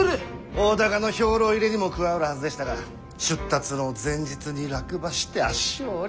大高の兵糧入れにも加わるはずでしたが出立の前日に落馬して足を折り。